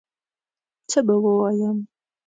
څه به ووایم